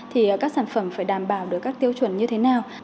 thì các sản phẩm phải đảm bảo được các tiêu chuẩn như thế nào